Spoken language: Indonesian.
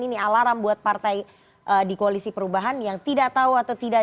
ini alarm buat partai di koalisi perubahan yang tidak tahu atau tidak